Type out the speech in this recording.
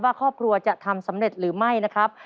ว่าครอบครัวจะทำสำเร็จหรือไม่นะครับ